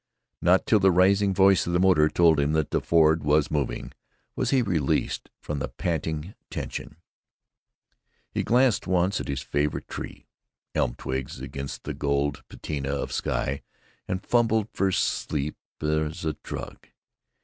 Not till the rising voice of the motor told him that the Ford was moving was he released from the panting tension. He glanced once at his favorite tree, elm twigs against the gold patina of sky, and fumbled for sleep as for a drug.